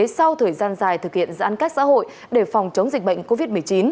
sau thời gian dài thực hiện giãn cách xã hội để phòng chống dịch bệnh covid một mươi chín